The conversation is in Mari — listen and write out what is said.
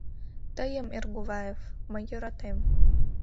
— Тыйым, Эргуваев, мый йӧратем.